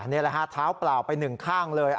นี่แหละฮะเท้าเปล่าไปหนึ่งข้างเลย